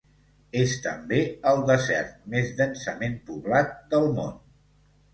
És també el desert més densament poblat del món.